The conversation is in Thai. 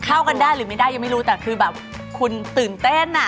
เข้ากันได้หรือไม่ได้ยังไม่รู้แต่คือแบบคุณตื่นเต้นอ่ะ